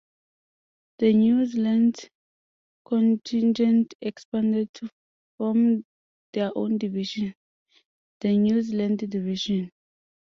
The New Zealand contingent expanded to form their own division; the New Zealand Division.